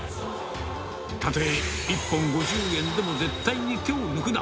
たとえ１本５０円でも絶対に手を抜くな。